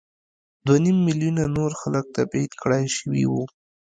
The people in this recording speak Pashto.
دوه نیم میلیونه نور خلک تبعید کړای شوي وو.